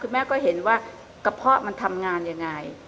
แม่ก็เห็นว่ากระเพาะมันทำงานยังไง